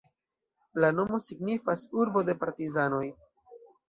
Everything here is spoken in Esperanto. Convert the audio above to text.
La nomo signifas "urbo de partizanoj".